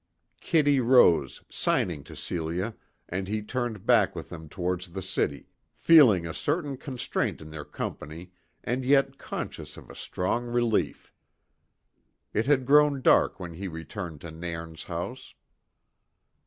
Kitty rose, signing to Celia, and he turned back with them towards the city, feeling a certain constraint in their company and yet conscious of a strong relief. It had grown dark when he returned to Nairn's house.